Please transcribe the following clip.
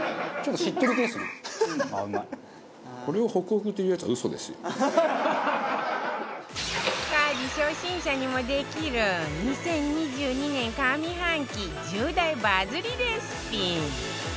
家事初心者にもできる２０２２年上半期１０大バズりレシピ